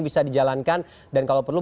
bisa dijalankan dan kalau perlu